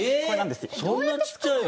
そんなちっちゃいの？